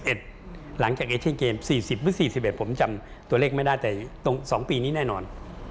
หลังจากเอเชนเกม๔๐หรือ๔๑ผมจำตัวเลขไม่ได้แต่ตรง๒ปีนี้แน่นอน